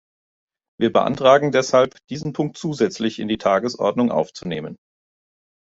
Wir beantragen deshalb, diesen Punkt zusätzlich in die Tagesordnung aufzunehmen.